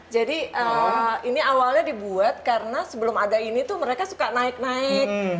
jadi ini awalnya dibuat karena sebelum ada ini tuh mereka suka naik naik